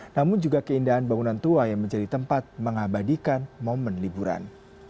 namun juga keindahan bangunan tua yang menjadi tempat mengabadikan momen liburan